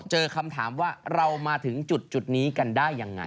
เจอคำถามว่าเรามาถึงจุดนี้กันได้ยังไง